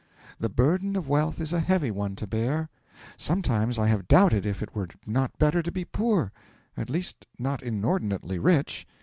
The burden of wealth is a heavy one to bear. Sometimes I have doubted if it were not better to be poor at least not inordinately rich.